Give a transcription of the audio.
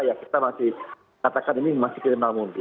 ya kita masih katakan ini masih kriminal multi